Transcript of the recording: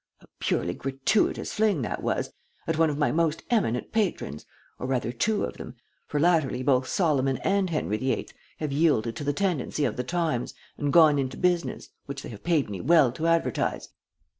A purely gratuitous fling, that was, at one of my most eminent patrons, or rather two of them, for latterly both Solomon and Henry the Eighth have yielded to the tendency of the times and gone into business, which they have paid me well to advertise.